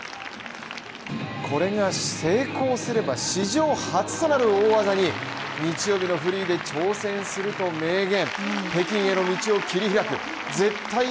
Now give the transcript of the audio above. これが成功すれば史上初となる大技に、日曜日のフリーで挑戦すると明言。